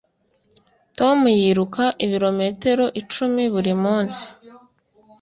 Tom yiruka ibirometero icumi buri munsi.